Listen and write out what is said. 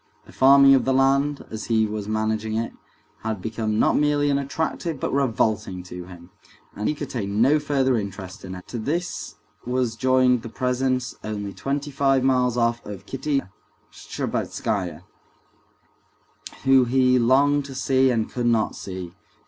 The farming of the land, as he was managing it, had become not merely unattractive but revolting to him, and he could take no further interest in it. To this now was joined the presence, only twenty five miles off, of Kitty Shtcherbatskaya, whom he longed to see and could not see.